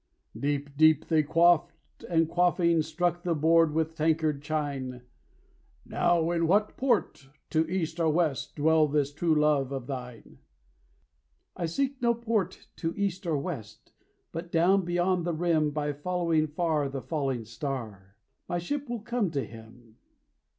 Deep, deep they quaffed, and quaffing, Struck the board with tankard chine "Now in what port, to East or West, Dwells this true love of thine?" "I seek no port to East or West, But down beyond the rim, By following far the falling star, My ship will come to him.